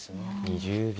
２０秒。